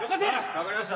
分かりました。